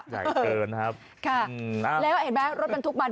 ใหญ่เกินนะครับอืมนะเห็นไหมรถบรรทุกวัน